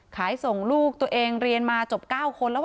ขายส่งลูกตัวเองเรียนมาจบเก้าคนแล้วอ่ะ